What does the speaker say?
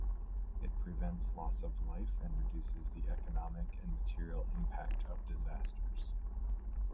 It prevents loss of life and reduces the economic and material impact of disasters.